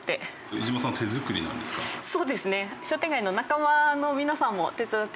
そうですね。